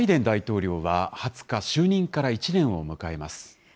アメリカのバイデン大統領は２０日、就任から１年を迎えます。